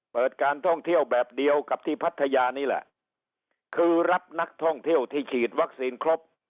การท่องเที่ยวแบบเดียวกับที่พัทยานี่แหละคือรับนักท่องเที่ยวที่ฉีดวัคซีนครบ